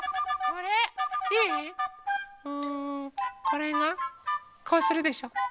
これがこうするでしょ。